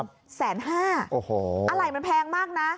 ๑๕๐๐๐๐บาทอะไรมันแพงมากนะ